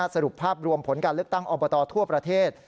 สรุปภาพรวมผลการเลือกตั้งอบตทั่วประเทศ